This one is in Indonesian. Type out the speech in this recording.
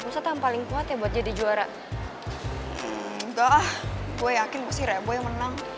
gue yakin pasti reboy yang menang